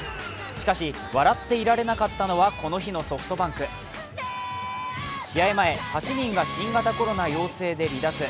しかし、笑っていられなかったのはこの日のソフトバンク。試合前、８人が新型コロナ陽性で離脱。